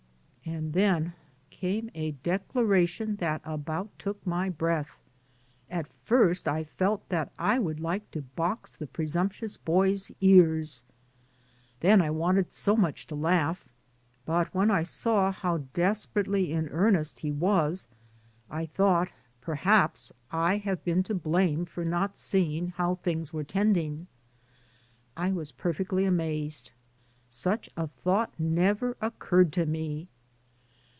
And then came a declaration that about took my breath. At first I felt that I would like to box the pre sumptuous boy's ears. Then I wanted so much to laugh. But when I saw how des perately in earnest he was I thought, per haps, I have been to blame for not seeing io8 DAYS ON THE ROAD. how things were tending. I was perfectly amazed; such a thought never occurred to me.